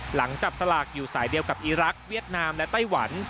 หลังจับสลากอยู่สายเดียวกับอีรักษ์เวียดนามและไต้หวัน